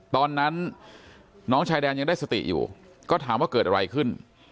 ตอนนั้นน้องชายแดนยังได้สติอยู่ก็ถามว่าเกิดอะไรขึ้น